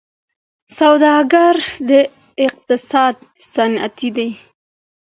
سوداګر د اقتصاد ستني دي.